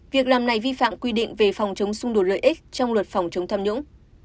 việc làm này vi phạm quy định về phòng chống xung đột lợi ích trong luật phòng chống tham nhũng